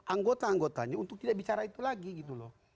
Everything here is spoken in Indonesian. anggota anggotanya untuk tidak bicara itu lagi gitu loh